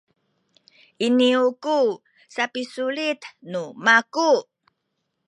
iniyu ku sapisulit nu maku